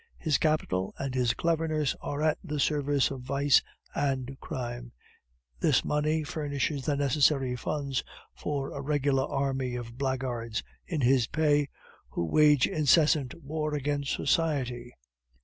His capital and his cleverness are at the service of vice and crime; this money furnishes the necessary funds for a regular army of blackguards in his pay who wage incessant war against society.